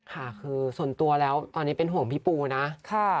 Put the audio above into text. ค่ะคือส่วนตัวแล้วตอนนี้เป็นห่วงพี่ปูนะ